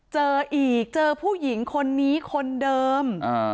เจออีกเจอผู้หญิงคนนี้คนเดิม